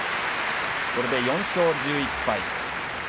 これで４勝１１敗。